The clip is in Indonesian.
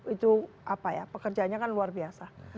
itu apa ya pekerjaannya kan luar biasa